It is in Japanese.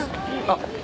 あっ。